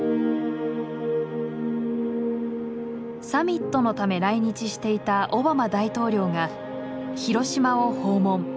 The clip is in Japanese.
サミットのため来日していたオバマ大統領が広島を訪問。